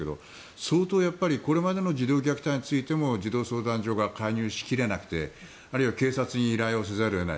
相当これまでの児童虐待についても児童相談所が介入しきれなくてあるいは警察に依頼をせざるを得ない。